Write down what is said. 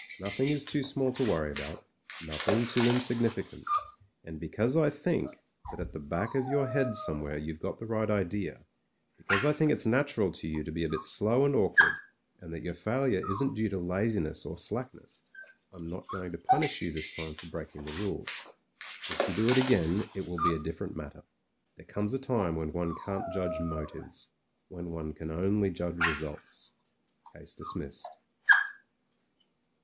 Nothing is too small to worry about, nothing too insignificant. And because I think, that at the back of your head PRIVATE MEYRICK— COMPANY IDIOT 57 somewhere you've got the right idea; because I think it's natural to you to be a bit slow and awkward and that your failure isn't due to laziness or slack ness, I'm not going to punish you this time for break ing the rules. If you do it again, it will be a different matter. There comes a time when one can't judge motives; when one can only judge results. Case dis missed."